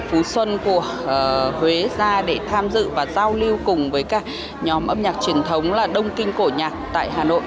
chúng tôi mời công lạc bộ phú xuân của huế ra để tham dự và giao lưu cùng với các nhóm âm nhạc truyền thống là đông kinh cổ nhạc tại hà nội